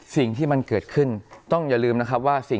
สิ่งที่มันเกิดขึ้นต้องอย่าลืมนะครับว่า